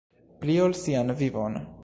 Pli ol sian vivon.